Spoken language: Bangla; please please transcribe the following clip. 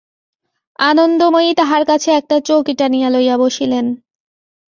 আনন্দময়ী তাহার কাছে একটা চৌকি টানিয়া লইয়া বসিলেন।